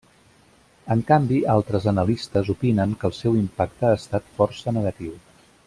En canvi, altres analistes opinen que el seu impacte ha estat força negatiu.